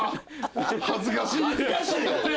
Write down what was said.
恥ずかしいのよ。